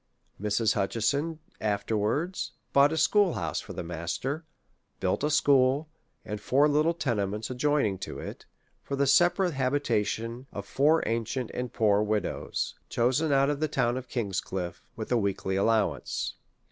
Mrs. Hutcheson afterwards bought a school house for the master, built a school, and four little tene ments adjoining to it, for the separate habitation of four ancient and poor widows, chosen out of the town of King's Cliffe, with a weekly allowance.